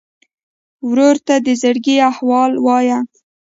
ورور ته د زړګي احوال وایې.